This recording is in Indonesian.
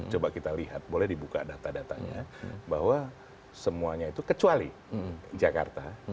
coba kita lihat boleh dibuka data datanya bahwa semuanya itu kecuali jakarta